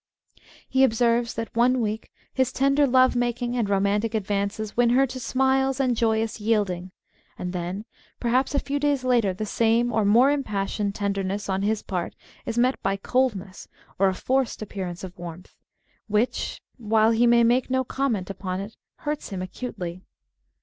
He observes that one week his tender love making \ Woman's "Contrariness" ^5 and romantic advances win her to smiles and joyous yielding, and then perhaps a few days later the same, or more impassioned, tenderness on his part is met by coldness or a forced appearance of warmth, which, while he may make no comment upon it, hurts him acutely.